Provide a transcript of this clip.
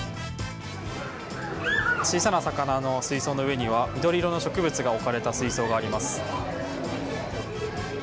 小さな魚の水槽の上には緑色の植物が置かれた水槽があります。